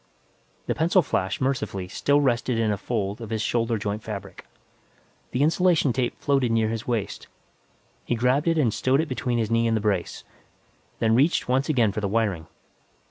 The pencil flash, mercifully, still rested in a fold of his shoulder joint fabric. The insulation tape floated near his waist; he grabbed it and stowed it between his knee and the brace, then reached once again for the wiring.